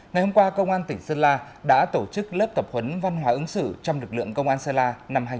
ngày hôm qua công an tỉnh sơn la đã tổ chức lớp tập huấn văn hóa ứng xử trong lực lượng công an sơn la năm hai nghìn hai mươi